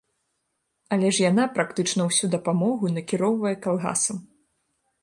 Але ж яна практычна ўсю дапамогу накіроўвае калгасам.